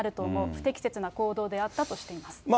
不適切な行動であったとしています。